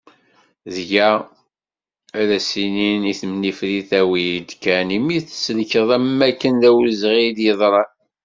Dγa, ad as-inin i temnifrit awi-d kan imi tselkeḍ am wakken d awezγi i d-yeḍran.